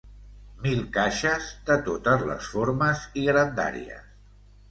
Mil caixes de totes les formes i grandàries.